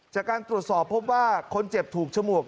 จากการตรวจสอบพบว่าคนเจ็บถูกฉมวก